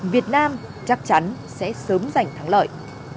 việt nam chắc chắn sẽ sớm giành thắng lợi